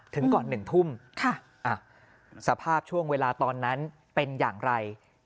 ถึงก่อน๑ทุ่มสภาพช่วงเวลาตอนนั้นเป็นอย่างไร